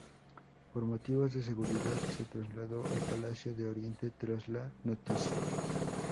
Por motivos de seguridad se trasladó al palacio de Oriente tras la noticia.